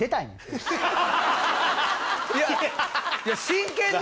いやいや真剣に。